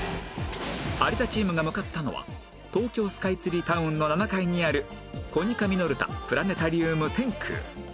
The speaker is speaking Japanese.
有田チームが向かったのは東京スカイツリータウンの７階にあるコニカミノルタプラネタリウム天空